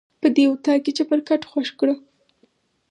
په دې اطاق کې چپرکټ خوښ کړه.